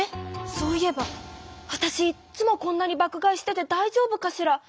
そういえばわたしいっつもこんなに爆買いしててだいじょうぶかしら？